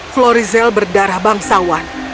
flory zell berdarah bangsawan